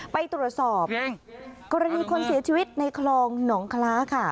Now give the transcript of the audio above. ไปตรวจสอบกรณีคนเสียชีวิตในคลองหนองคล้าค่ะ